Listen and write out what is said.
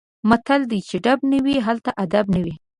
متل دی: چې ډب نه وي هلته ادب نه وي.